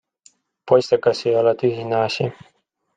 Poistekas ei ole tühine asi!